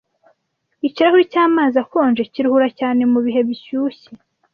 Ikirahuri cyamazi akonje kiruhura cyane mubihe bishyushye.